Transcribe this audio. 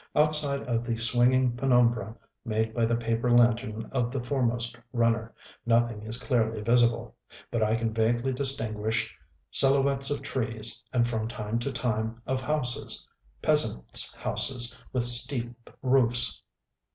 Outside of the swinging penumbra made by the paper lantern of the foremost runner, nothing is clearly visible; but I can vaguely distinguish silhouettes of trees and, from time to time, of houses, peasantsŌĆÖ houses with steep roofs.